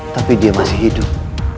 tapi dia masih hidup